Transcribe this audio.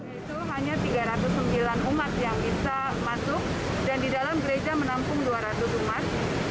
yaitu hanya tiga ratus sembilan umat yang bisa masuk dan di dalam gereja menampung dua ratus umat